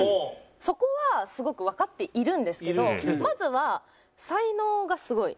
そこはすごくわかっているんですけどまずは才能がすごい。